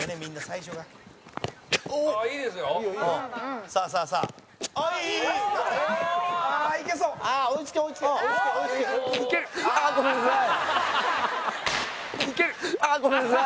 高橋：あっ、ごめんなさい。